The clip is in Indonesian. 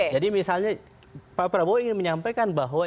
jadi misalnya pak prabowo ingin menyampaikan bahwa